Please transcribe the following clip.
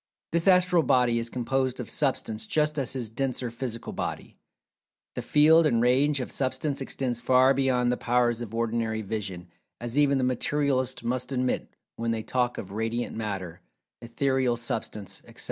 This Astral Body is composed of Substance just as his denser[Pg 220] physical body. The field and range of Substance extends far beyond the powers of ordinary vision, as even the Materialists must admit when they talk of "Radiant Matter," "Etherial Substance," etc.